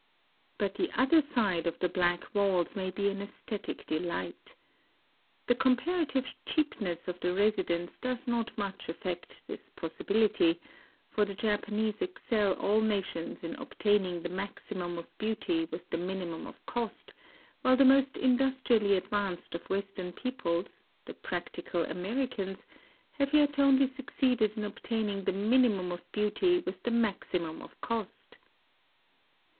But the other side of the black walls may be an assthetic delight. The com parative cheapness of the residence does not much affect this possibility; — for the Japa nese excel all nations in obtaining the maxi mum of beauty with the minimum of cost; 174 IN OSAKA while the most industrially advanced of West ern peoples — the practical Americans — have yet only succeeded in obtaining the mini mum of beauty with the maximum of cost!